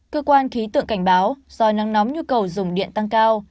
cơ quan khí tượng cảnh báo do nắng nóng nhu cầu dùng điện tăng cao